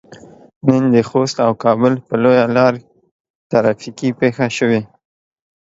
نن د خوست او کابل په لويه لار ترافيکي پېښه شوي.